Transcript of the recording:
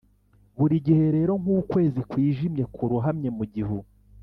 burigihe rero nkukwezi kwijimye kurohamye mu gihu